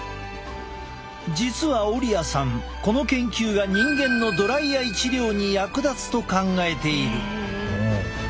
実はオリアさんこの研究が人間のドライアイ治療に役立つと考えている。